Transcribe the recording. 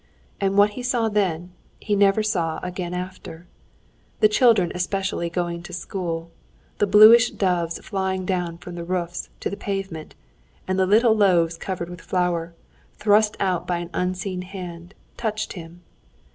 And what he saw then, he never saw again after. The children especially going to school, the bluish doves flying down from the roofs to the pavement, and the little loaves covered with flour, thrust out by an unseen hand, touched him.